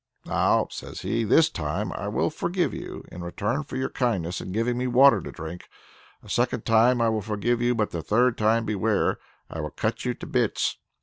"Now," says he, "this time I will forgive you, in return for your kindness in giving me water to drink. And a second time I will forgive you; but the third time beware! I will cut you to bits."